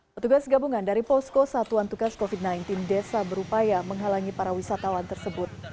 petugas gabungan dari posko satuan tugas covid sembilan belas desa berupaya menghalangi para wisatawan tersebut